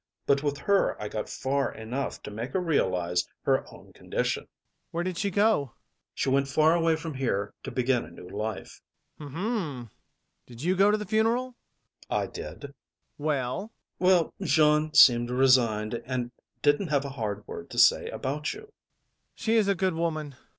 But with her I got far enough to make her realise her own condition. MAURICE. Where did she go? ADOLPHE. She went far away from here to begin a new life. MAURICE. Hm, hm! Did you go to the funeral? ADOLPHE. I did. MAURICE. Well? ADOLPHE. Well, Jeanne seemed resigned and didn't have a hard word to say about you. MAURICE. She is a good woman.